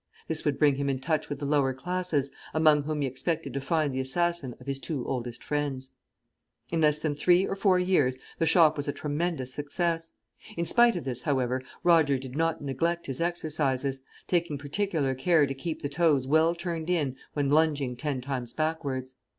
This would bring him in touch with the lower classes, among whom he expected to find the assassin of his two oldest friends. In less than three or four years the shop was a tremendous success. In spite of this, however, Roger did not neglect his exercises; taking particular care to keep the toes well turned in when lunging ten times backwards.